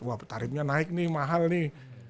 wah tarifnya naik nih mahal nih